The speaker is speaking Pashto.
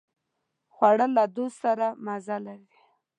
خوړل له دوست سره مزه لري